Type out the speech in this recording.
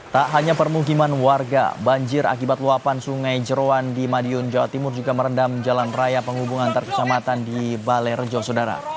tak hanya permukiman warga banjir akibat luapan sungai jeroan di madiun jawa timur juga merendam jalan raya penghubung antar kecamatan di balai rejo sodara